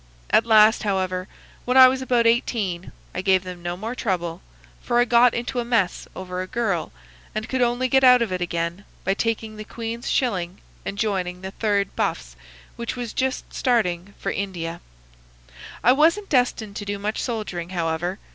At last, however, when I was about eighteen, I gave them no more trouble, for I got into a mess over a girl, and could only get out of it again by taking the Queen's shilling and joining the 3rd Buffs, which was just starting for India. "I wasn't destined to do much soldiering, however.